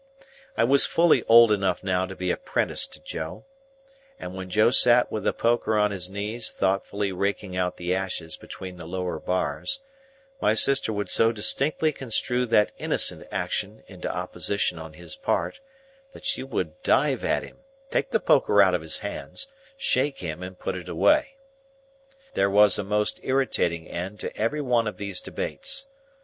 I was fully old enough now to be apprenticed to Joe; and when Joe sat with the poker on his knees thoughtfully raking out the ashes between the lower bars, my sister would so distinctly construe that innocent action into opposition on his part, that she would dive at him, take the poker out of his hands, shake him, and put it away. There was a most irritating end to every one of these debates.